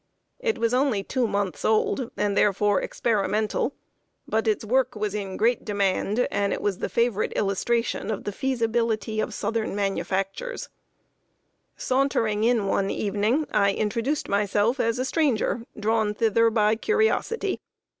It was only two months old, and, therefore, experimental; but its work was in great demand, and it was the favorite illustration of the feasibility of southern manufactures. [Sidenote: VISIT TO THE SOUTHERN SHOE FACTORY.] Sauntering in, one evening, I introduced myself as a stranger, drawn thither by curiosity.